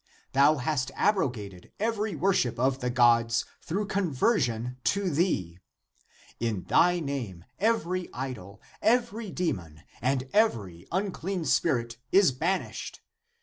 Thou hast abrogated every worship of the gods through conversion to thee. In thy name every idol, every demon, and every unclean spirit is ban ished.